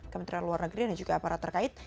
kementerian luar negeri dan juga aparat terkait